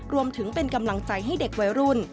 รวมถึงเป็นกำลังใจให้เด็กวัยรุ่น